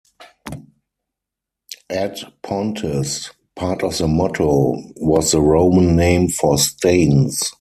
Ad Pontes, part of the motto, was the Roman name for Staines.